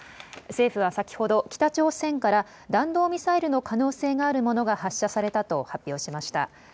政府は先ほど北朝鮮から弾道ミサイルの可能性があるものが発射されたと発表しました。